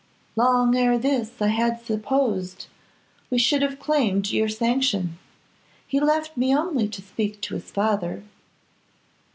'Long ere this I had supposed we should have claimed your sanction. He left me only to speak to his father.